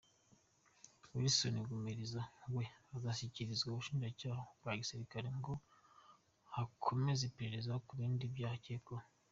Wilson Gumisiriza we azashyikirizwa ubushinjacyaha bwa Girikare ngo hakomeze iperereza ku bindi byaha akekwaho.